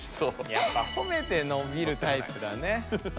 やっぱほめてのびるタイプだね。